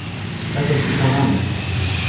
أتت لتراني.